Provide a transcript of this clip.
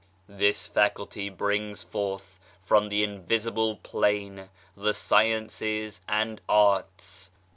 This faculty brings forth from the invisible plane the sciences and arts.